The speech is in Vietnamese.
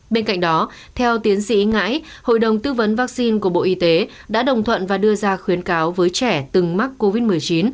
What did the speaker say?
bên cạnh đó theo tiến sĩ ngãi hội đồng tư vấn vaccine của bộ y tế đã đồng thuận và đưa ra khuyến cáo với trẻ từng mắc covid một mươi chín